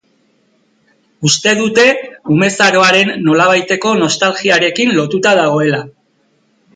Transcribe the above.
Uste dute umezaroaren nolabaiteko nostalgiarekin lotuta dagoela.